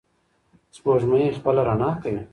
سپوږمۍ خپله رڼا کوي.